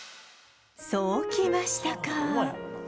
そうきましたか！